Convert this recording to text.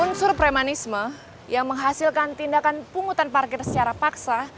unsur premanisme yang menghasilkan tindakan pungutan parkir secara paksa